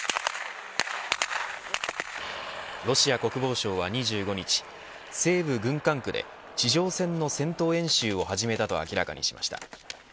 ロシア国防省は２５日西部軍管区で地上戦の戦闘演習を始めたと明らかにしました。